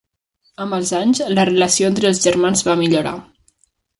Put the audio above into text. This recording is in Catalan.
Amb els anys, la relació entre els germans va millorar.